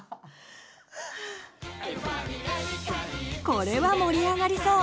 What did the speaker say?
これは盛り上がりそう！